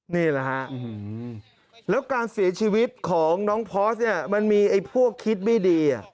นี่แหละครับแล้วการเสียชีวิตของน้องพอสมันมีพวกคิดไม่ดี